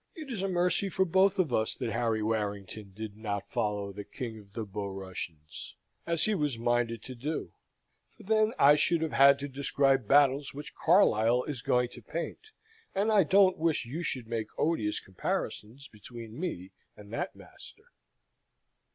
it is a mercy for both of us that Harry Warrington did not follow the King of the Borussians, as he was minded to do, for then I should have had to describe battles which Carlyle is going to paint; and I don't wish you should make odious comparisons between me and that master.